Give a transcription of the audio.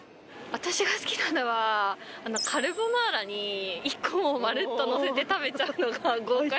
私が好きなのはカルボナーラに１個もうまるっとのせて食べちゃうのが豪快。